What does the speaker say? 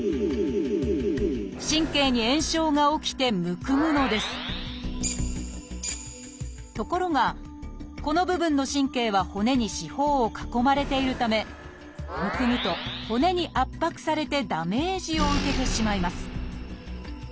神経に炎症が起きてむくむのですところがこの部分の神経は骨に四方を囲まれているためむくむと骨に圧迫されてダメージを受けてしまいます。